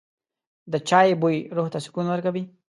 د چای بوی روح ته سکون ورکوي.